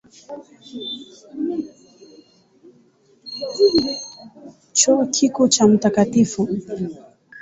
Chuo Kikuu cha Mt.